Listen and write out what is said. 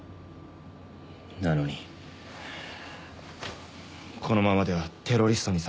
なのにこのままではテロリストにされてしまう。